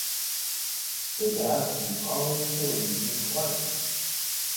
The masses all assumed he was white.